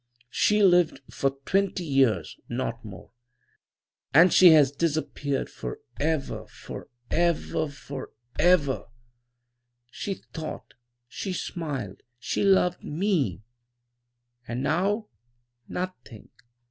"She lived for twenty years, not more, and she has disappeared forever, forever, forever! She thought, she smiled, she loved me. And now nothing!